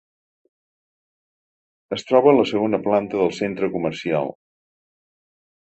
És troba a la segona planta del centre comercial.